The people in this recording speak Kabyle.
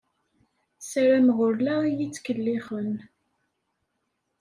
Ssarameɣ ur la iyi-ttkellixen.